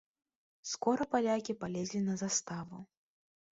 Скора палякі палезлі на заставу.